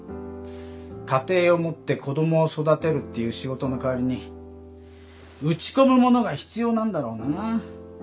家庭を持って子供を育てるっていう仕事の代わりに打ち込むものが必要なんだろうな。